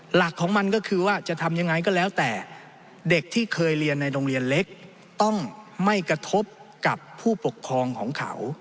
หลักของมันก็คือว่าจะทำยังไงก็แล้วแต่เด็กที่เคยเรียนในโรงเรียนเล็กต้องไม่กระทบกับผู้ปกครองของเขา